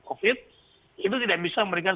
covid itu tidak bisa memberikan